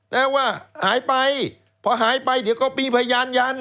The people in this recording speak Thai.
นะว่าหายไปพอหายไปเดี๋ยวก็มีพยานยัน